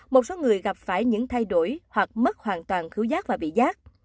một số người gặp phải những thay đổi hoặc mất hoàn toàn khứ giác và bị giác